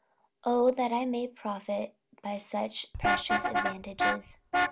O that I may profit by such precious advantages."